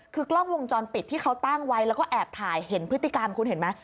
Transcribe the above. คือกล้องวงจรปิดที่เขาตั้งไว้แล้วก็แอบถ่ายเห็นพฤติกรรมคุณเห็นไหม